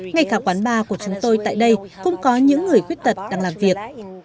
ngay cả quán bar của chúng tôi tại đây cũng có những người khuyết tật đang làm việc